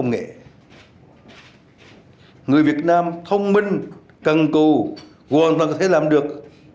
người việt nam thông minh cân cù hoàn toàn có thể làm được